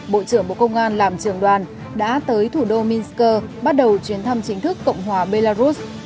bộ trưởng bộ công an làm trường đoàn đã tới thủ đô minsk bắt đầu chuyến thăm chính thức cộng hòa belarus